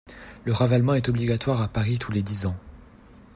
Le ravalement est obligatoire à Paris tous les dix ans.